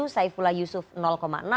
saifullah yusuf enam persen